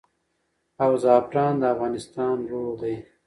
او زعفران د افغانستان روح دی.